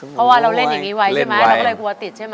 เพราะว่าเราเล่นอย่างนี้ไว้ใช่ไหมเราก็เลยกลัวติดใช่ไหม